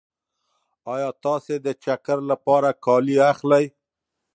ایا تاسې د چکر لپاره کالي اخلئ؟